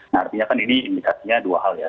nah artinya kan ini indikasinya dua hal ya